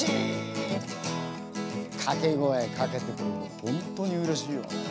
掛け声かけてくれるの本当にうれしいよ。